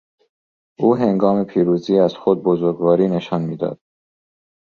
او هنگام پیروزی از خود بزرگواری نشان میداد.